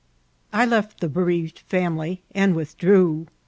I left the bereaved family and withdrew.